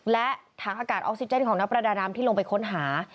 และถังอากาศออกซิเจนของนักประดาน้ำที่ลงไปค้นหา